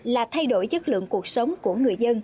là thay đổi chất lượng cuộc sống của người dân